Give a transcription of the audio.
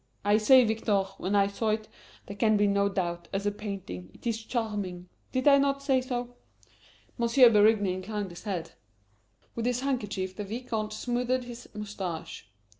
I said, Victor, when I saw it, there can be no doubt, as a painting, it is charming did I not say so?" M. Berigny inclined his head. With his handkerchief the Vicomte smoothed his moustache.